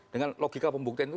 dengan logika pembuktian itu